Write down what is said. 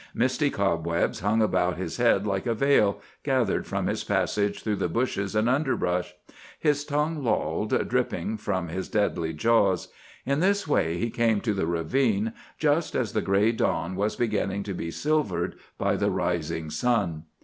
Misty cobwebs hung about his head like a veil, gathered from his passage through the bushes and underbrush. His tongue lolled, dripping, from his deadly jaws. In this way he came to the ravine just as the gray dawn was beginning to be silvered by the rising sun.